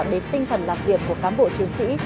đến tinh thần làm việc của cán bộ chiến sĩ